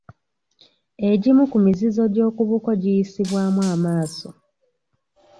Egimu ku mizizo gy'okubuko gyibuusibwa amaaso.